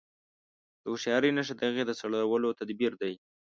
د هوښياري نښه د هغې د سړولو تدبير دی.